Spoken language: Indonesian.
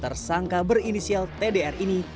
tersangka berinisial tdr ini